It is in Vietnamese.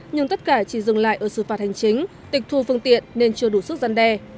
nhưng tất cả chỉ dừng lại ở xử phạt hành chính tịch thu phương tiện nên chưa đủ sức gian đe